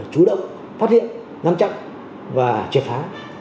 chủ động phát hiện ngăn chặn và triệt phá